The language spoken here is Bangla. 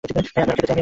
আমি আরো খেতে চাই।